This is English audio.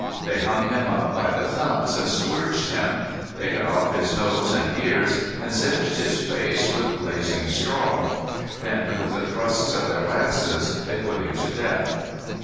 They hung him up by the thumbs and scourged him. They cut off his nose and ears and singed his face with blazing straw. Then with the thrusts of their lances they put him to death.